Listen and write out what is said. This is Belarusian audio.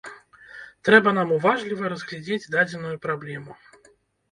Трэба нам уважліва разгледзець дадзеную праблему.